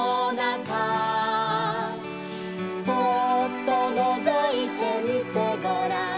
「そーっとのぞいてみてごらん」